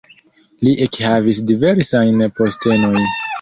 Li ekhavis diversajn postenojn.